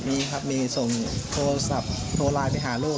มีครับมีส่งโทรศัพท์โทรไลน์ไปหาลูก